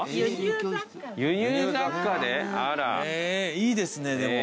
いいですねでも。